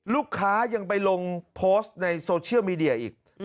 ลูกค้ายังไปลงโพสต์ในโซเชียลมีเดียอีก